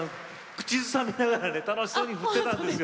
口ずさみながらね楽しそうに振ってたんですよ。